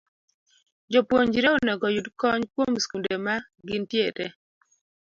Jopuonjre onego oyud kony kuom skunde ma gintiere